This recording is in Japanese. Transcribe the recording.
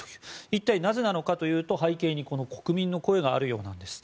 一体なぜなのかというと背景にこの国民の声があるようです。